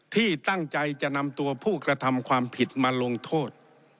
ที่ตั้งใจจะนำตัวผู้กระทำความผิดมาลงโทษ